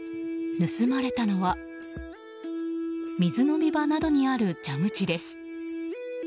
盗まれたのは水飲み場などにある蛇口です。